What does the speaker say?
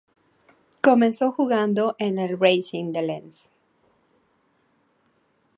Comenzó jugando en el Racing de Lens.